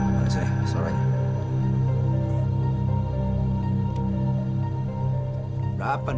makasih banyak ya pak